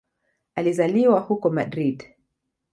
Alizaliwa huko Madrid.